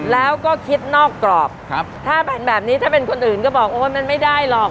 แล้วก็คิดนอกกรอบถ้าแบบนี้ถ้าเป็นคนอื่นก็บอกโอ๊ยมันไม่ได้หรอก